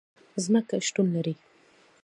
ځمکه شتون لري